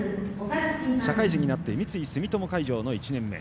社会人になって三井住友海上の１年目。